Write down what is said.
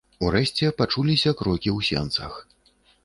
Урэшце пачуліся крокі ў сенцах.